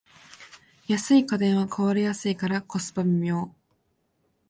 安い家電は壊れやすいからコスパ微妙